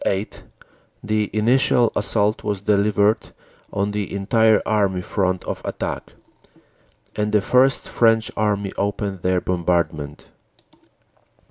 8, the initial assault was delivered on the entire Army front of attack, and the First French Army opened their bombardment.